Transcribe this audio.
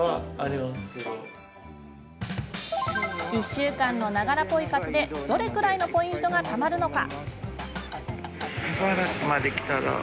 １週間の、ながらポイ活でどれぐらいのポイントがたまるのか？